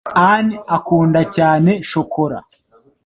Ann akunda cyane shokora